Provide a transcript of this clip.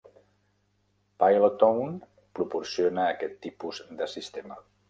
Pilottone proporciona aquest tipus de sistema.